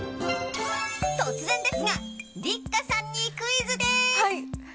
突然ですが六花さんにクイズです。